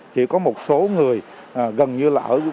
chỉ có một số người gần như là mới cách ly